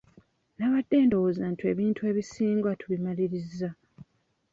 Nabadde ndowooza nti ebintu ebisinga tubimalirizza.